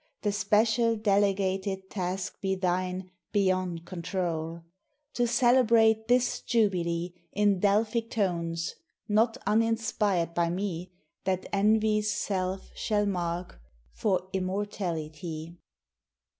The special delegated task be thine, Beyond control; To celebrate this Jubilee In Delphic tones not uninspired by me, That envy's self shall mark, for immortality.